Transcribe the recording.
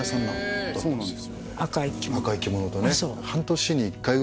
赤い着物でね。